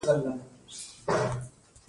لمسی د پلار تر سیوري لویېږي.